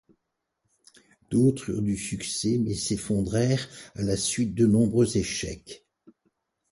D'autres eurent du succès mais s'effondrèrent à la suite de nombreux échecs.